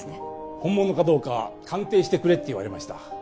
本物かどうか鑑定してくれって言われました。